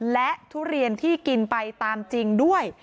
และทุเรียนที่กินไปตามจริงด้วย